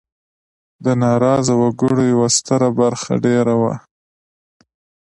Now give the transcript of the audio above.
د ناراضه وګړو یوه ستره برخه دېره وه.